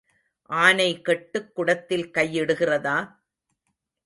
ஆனை கெட்டுக் குடத்தில் கை இடுகிறதா?